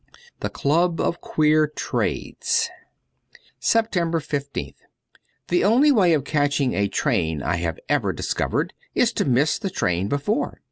' The Club of Queer Trades.' 287 SEPTEMBER 15th THE only way of catching a train I have ever discovered is to miss the train before.